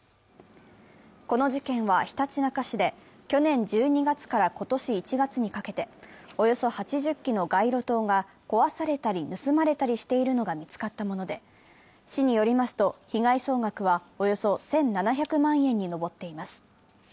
この事件は、ひたちなか市で去年１２月から今年１月にかけておよそ８０基の街路灯が壊されたり、盗まれたりしているのが見つかったもので、市によりますと、被害総額はおよそ１７００万円に上っています。